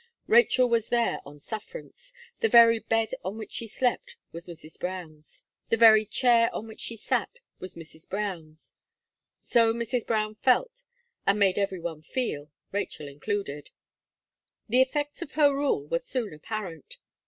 Rachel was there on sufferance; the very bed on which she slept was Mrs. Brown's; the very chair on which she sat was Mrs. Brown's. So Mrs. Brown felt, and made every one feel, Rachel included. The effects of her rule were soon apparent.